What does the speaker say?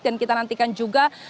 dan kita nantikan juga